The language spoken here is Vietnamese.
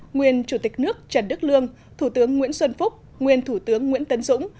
nguyên chủ tịch nước trần đức lương thủ tướng nguyễn xuân phúc nguyên thủ tướng nguyễn tấn dũng